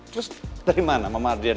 terus dari mana mama ardian